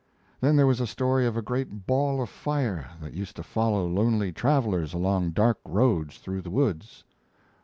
Then there was a story of a great ball of fire that used to follow lonely travelers along dark roads through the woods.